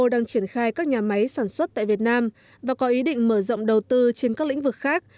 đang triển khai các nhà máy sản xuất tại việt nam và có ý định mở rộng đầu tư trên các lĩnh vực khác